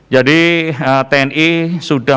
jadi tni sudah